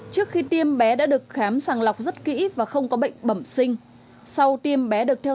trước khi tiêm bé đã được khám sàng lọc rất kỹ và không có bệnh bẩm sinh sau tiêm bé được theo